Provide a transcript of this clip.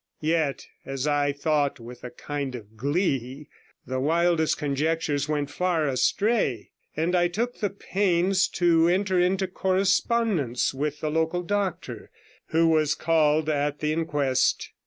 Yet, as I thought with a kind of glee, the wildest conjectures went far astray; and I took the pains to enter into correspondence with the local doctor, who was called at the inquest.